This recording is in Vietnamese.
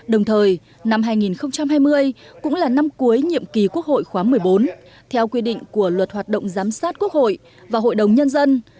đồng thời năm hai nghìn hai mươi cũng là năm cuối nhiệm kỳ quốc hội khóa một mươi bốn theo quy định của luật hoạt động giám sát quốc hội và hội đồng nhân dân